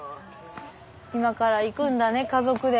今から行くんだね家族で。